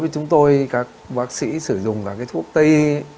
chúng tôi các bác sĩ sử dụng là cái thuốc tây